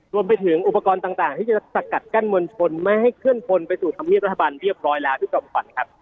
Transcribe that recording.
รวมไปถึงอุปกรณ์ต่างที่จะสกัดกั้นมวลชนไม่ให้เคลื่อนพลไปสู่ธรรมเนียบรัฐบาลเรียบร้อยแล้วพี่จอมขวัญครับ